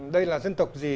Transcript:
đây là dân tộc gì